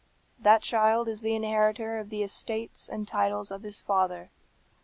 That child is the inheritor of the estates and titles of his father.